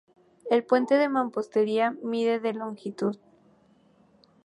El puente de mampostería mide de longitud.